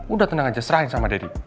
udah tenang aja serahin sama deddy